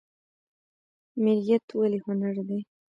میریت ولې هنر دی؟